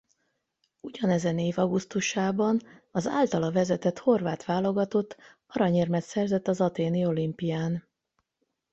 Ugyanezen év augusztusában az általa vezetett horvát válogatott aranyérmet szerzett az athéni olimpián.